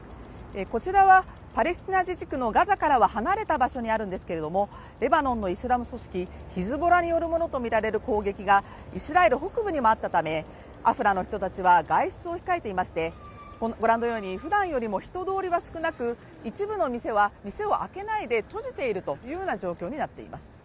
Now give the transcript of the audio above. こちらはパレスチナ自治区のガザからは離れた場所にあるんですけれどもレバノンのイスラム主義組織ヒズボラによるものとみられる攻撃がイスラエル北部にもあったため、アフラの人たちは外出を控えていまして、ご覧のようにふだんよりも人通りが少なく一部の店は、店を開けないで閉じているという状況になっています。